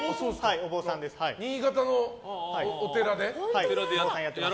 新潟のお寺で？